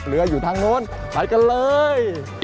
อยู่ทางโน้นไปกันเลย